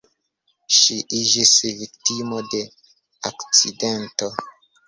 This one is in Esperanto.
Ŝi iĝis viktimo de akcidento.